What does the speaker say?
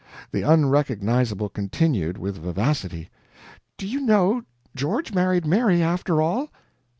The Unrecognizable continued, with vivacity: "Do you know, George married Mary, after all?"